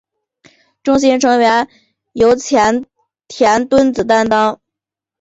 中心成员由前田敦子担当。